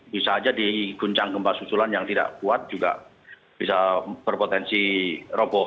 bisa saja di guncang gempa susulan yang tidak kuat juga bisa berpotensi roboh